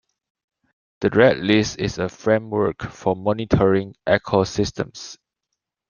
The Red List is a framework for monitoring ecosystems.